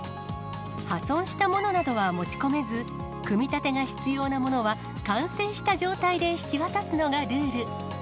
破損したものなどは持ち込めず、組み立てが必要なものは完成した状態で引き渡すのがルール。